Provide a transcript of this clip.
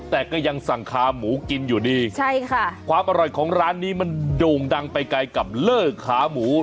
แต่ก็ยังสั่งคาหมูกินอยู่ดีใช่ค่ะความอร่อยของร้านนี้มันโด่งดังไปไกลกับเลอร์ขาหมู